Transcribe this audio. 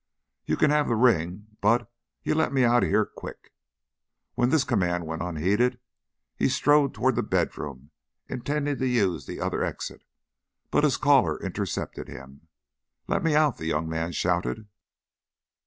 "You can have the ring, but you lemme out of here, quick." When this command went unheeded he strode toward the bedroom, intending to use the other exit, but his caller intercepted him. "Lemme out!" the young man shouted.